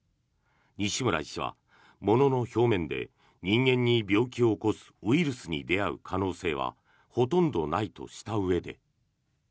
西村医師は物の表面で人間に病気を起こすウイルスに出会う可能性はほとんどないとしたうえで。